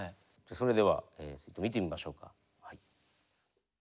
それではちょっと見てみましょうか。